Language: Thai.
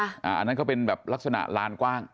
อันนั้นก็เป็นแบบลักษณะลานกว้าง